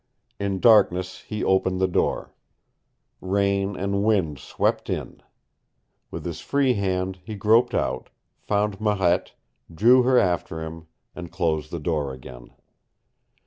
In darkness he opened the door. Rain and wind swept in. With his free hand he groped out, found Marette, drew her after him, and closed the door again.